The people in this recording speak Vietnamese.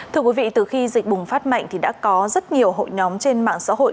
thưa quý vị từ khi dịch bùng phát mạnh thì đã có rất nhiều hội nhóm trên mạng xã hội